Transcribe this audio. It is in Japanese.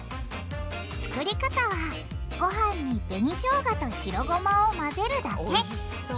作り方はごはんに紅しょうがと白ごまを混ぜるだけおいしそう。